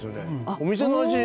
お店の味。